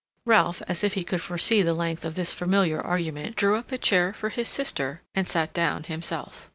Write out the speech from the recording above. Ralph, as if he could foresee the length of this familiar argument, drew up a chair for his sister and sat down himself.